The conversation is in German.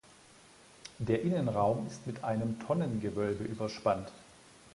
Der Innenraum ist mit einem Tonnengewölbe überspannt.